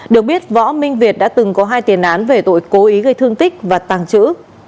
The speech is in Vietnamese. được biết võ minh việt đã từng có hai tiền án về tội cố ý gây thương tích và tàng trữ